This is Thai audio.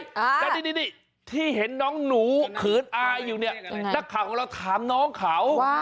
แล้วนี่ที่เห็นน้องหนูเขินอายอยู่เนี่ยนักข่าวของเราถามน้องเขา